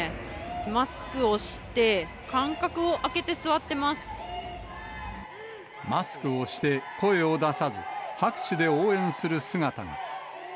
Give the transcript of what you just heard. マスクをして、マスクをして、声を出さず、拍手で応援する姿が。